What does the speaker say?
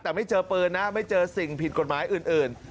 แต่ไม่เจอปืนนะไม่เจอสิ่งผิดกฎหมายอื่น